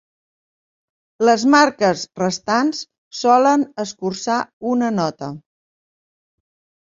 Les marques restants solen escurçar una nota.